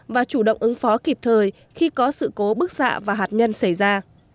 và chủ động ứng phó kịp thời khi có sự cố bức xạ và hạt nhân xảy ra